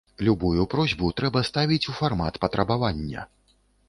Любую просьбу трэба ставіць у фармат патрабавання.